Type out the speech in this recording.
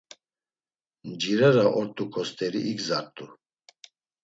Ncirera ort̆uǩo st̆eri igzart̆u.